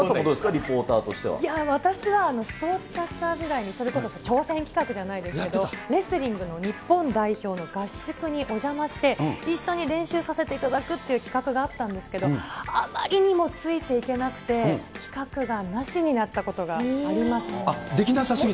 リポータいやー、私はスポーツキャスター時代に、それこそ挑戦企画じゃないですけど、レスリングの日本代表の合宿にお邪魔して、一緒に練習させていただくっていう企画があったんですけれども、あまりにもついていけなくて、企画がなしになったことがありまできなさすぎて？